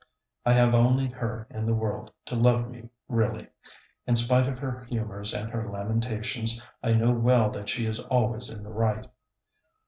I have only her in the world to love me really. In spite of her humors and her lamentations I know well that she is always in the right.